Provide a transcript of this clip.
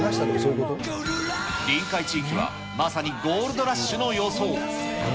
りんかい地域はまさにゴールドラッシュの様相。